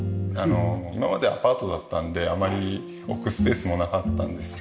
今までアパートだったんであまり置くスペースもなかったんですけど。